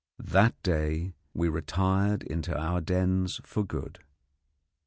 That day we retired into our dens for good.